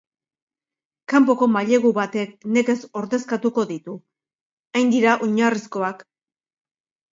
Kanpoko mailegu batek nekez ordezkatuko ditu, hain dira oinarrizkoak.